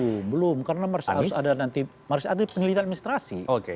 belum belum karena harus ada nanti penyelidikan administrasi